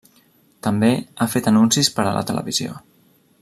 També ha fet anuncis per a la televisió.